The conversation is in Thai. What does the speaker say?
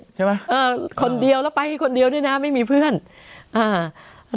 ใช่ไหมอ่าคนเดียวแล้วไปแค่คนเดียวด้วยน่ะไม่มีเพื่อนอ่า